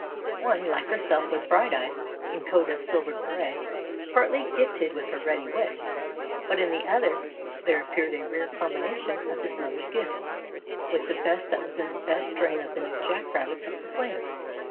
One like herself was bright eyed, in coat of silver gray, and partly gifted with her ready wits, but in the other, there appeared a rare combination of his mother's gifts with the best that was in the best strain of the new Jack rabbits of the plains.